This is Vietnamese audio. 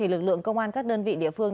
lực lượng công an các đơn vị địa phương